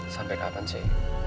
sampai kapan sih